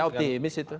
ya optimis itu